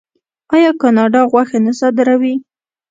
آیا کاناډا غوښه نه صادروي؟